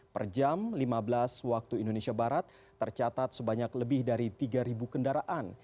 per jam lima belas waktu indonesia barat tercatat sebanyak lebih dari tiga kendaraan